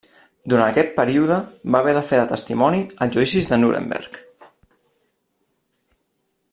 Durant aquest període, va haver de fer de testimoni als Judicis de Nuremberg.